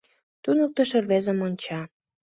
Туныктышо рвезым онча.